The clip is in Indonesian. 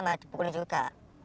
nanti dibukulin juga